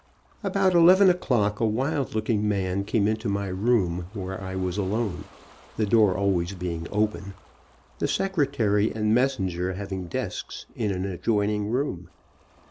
About n o'clock a wild looking man came into my room where I was alone, the door always being open, the secretary and messenger having desks in an adjoining room.